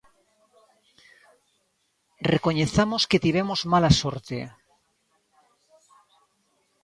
Recoñezamos que tivemos mala sorte.